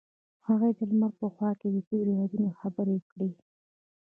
هغوی د لمر په خوا کې تیرو یادونو خبرې کړې.